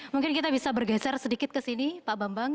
mungkin kita bisa bergeser sedikit ke sini pak bambang